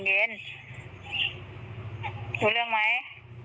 รู้เรื่องไหม